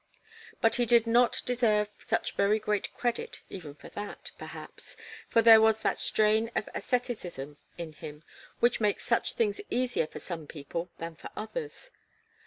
But he did not deserve such very great credit even for that, perhaps, for there was that strain of asceticism in him which makes such things easier for some people than for others.